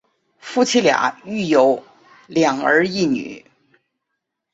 夫妇俩育有两儿一女。